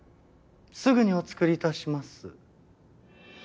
すぐにお作り致します。